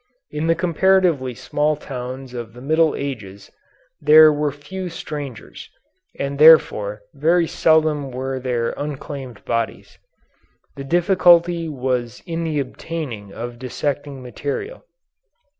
In the comparatively small towns of the Middle Ages there were few strangers, and therefore very seldom were there unclaimed bodies. The difficulty was in the obtaining of dissecting material.